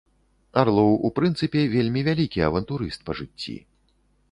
Арлоў у прынцыпе вельмі вялікі авантурыст па жыцці.